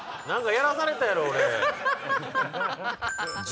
何？